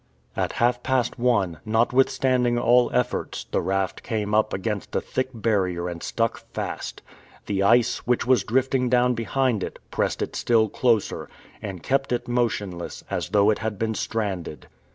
At half past one, notwithstanding all efforts, the raft came up against a thick barrier and stuck fast. The ice, which was drifting down behind it, pressed it still closer, and kept it motionless, as though it had been stranded.